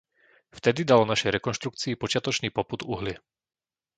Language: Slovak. Vtedy dalo našej rekonštrukcii počiatočný popud uhlie.